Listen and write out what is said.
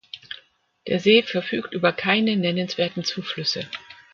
Der See verfügt über keinen nennenswerten Zuflüsse.